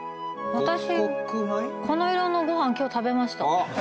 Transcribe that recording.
私この色のご飯今日食べました。